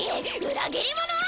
裏切り者！